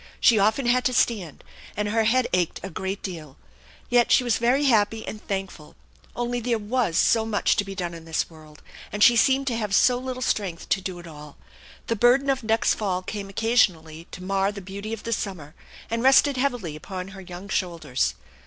She often had to stand, and her head ached a great deal. Yet she was very happy and thankful only there was BO much to be done in this world, and she seemed to have so little strength to do it all. The burden of next fall came occasionally to mar the beauty of the summer, and rested heavily upon her young shoulders.